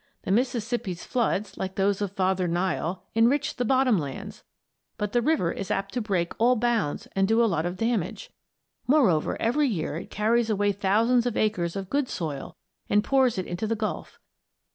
The Mississippi's floods, like those of Father Nile, enrich the bottom lands, but the river is apt to break all bounds and do a lot of damage. Moreover, every year it carries away thousands of acres of good soil and pours it into the Gulf.